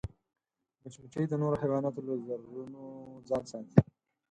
مچمچۍ د نورو حیواناتو له ضررونو ځان ساتي